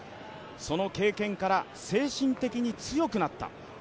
その経験から精神的に強くなった。